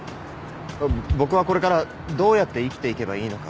僕はこれからどうやって生きていけばいいのか。